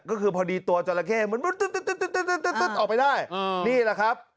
ก็คือพอดีตัวจอและเข้เอาไปได้นี่แหละครับ